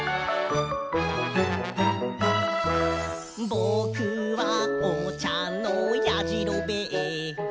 「ぼくはおもちゃのやじろべえ」